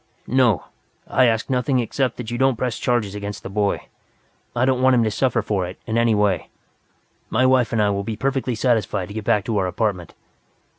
"No, I ask nothing except that you don't press charges against the boy. I don't want him to suffer for it in any way. My wife and I will be perfectly satisfied to get back to our apartment."